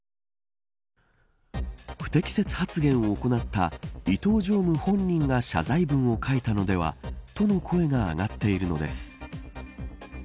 不適切発言を行った伊東常務本人が謝罪文を書いたのではとの声が上がっているのです。